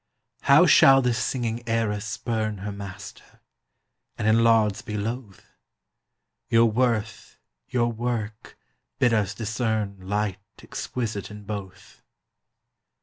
How shall this singing era spurn Her master, and in lauds be loath? Your worth, your work, bid us discern Light exquisite in both.